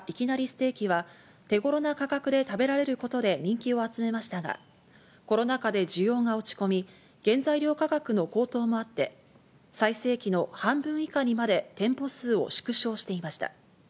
ステーキは、手ごろな価格で食べられることで人気を集めましたが、コロナ禍で需要が落ち込み、原材料価格の高騰もあって、最盛期の半分以下にまで店舗数を縮小していました。